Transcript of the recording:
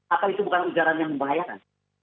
apa itu bukan ujaran yang membahayakan